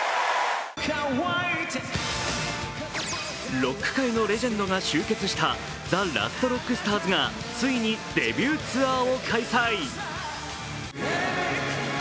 ロック界のレジェンドが集結したＴＨＥＬＡＳＴＲＯＣＫＳＴＡＲＳがついにデビューツアーを開催。